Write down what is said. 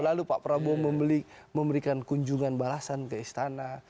lalu pak prabowo memberikan kunjungan balasan ke istana